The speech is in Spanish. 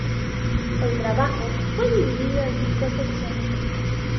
El trabajo fue dividido en cinco secciones.